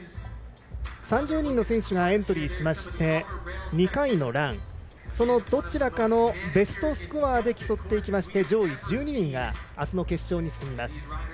３０人の選手がエントリーしまして、２回のランそのどちらかのベストスコアで競っていきまして上位１２人があすの決勝に進みます。